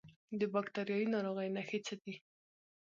د باکتریایي ناروغیو نښې څه دي؟